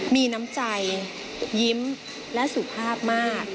มีน้ำใจยิ้มและสุภาพมาก